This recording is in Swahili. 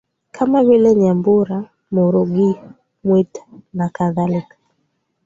kama vile Nyambura Murughi Mwita nakadhalika